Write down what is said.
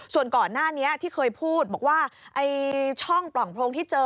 ส่วนก่อนหน้านี้ที่เคยพูดบอกว่าไอ้ช่องปล่องโพรงที่เจอ